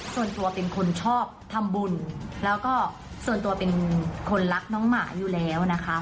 ส่วนตัวเป็นคนชอบทำบุญแล้วก็ส่วนตัวเป็นคนรักน้องหมาอยู่แล้วนะคะ